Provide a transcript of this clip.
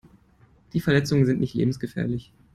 Die Verletzungen sind nicht lebensgefährlich.